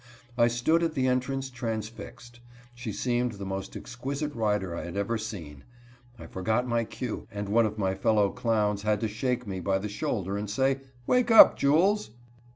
I stood at the entrance transfixed. She seemed the most exquisite rider I had ever seen. I forgot my cue, and one of my fellow clowns had to shake me by the shoulder and say: "Wake up, Jules."